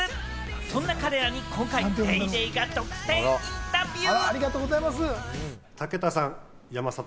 そんな彼らに今回『ＤａｙＤａｙ．』が独占インタビュー。